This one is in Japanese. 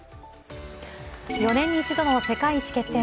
４年に１度の世界一決定